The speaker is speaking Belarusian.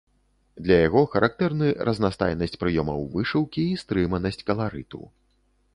Для яго характэрны разнастайнасць прыёмаў вышыўкі і стрыманасць каларыту.